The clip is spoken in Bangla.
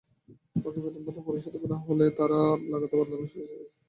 বকেয়া বেতন ভাতা পরিশোধ করা না হলে তাঁরা লাগাতার আন্দোলনের হুঁশিয়ারি দিয়েছেন।